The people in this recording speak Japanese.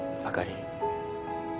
あかり。